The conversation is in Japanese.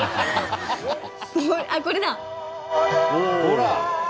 ほら！